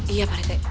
iya pak rt